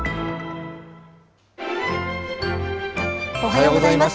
おはようございます。